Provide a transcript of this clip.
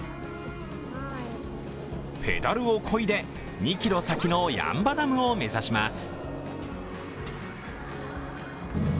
ペダルをこいで２ｋｍ先の八ッ場ダムを目指します。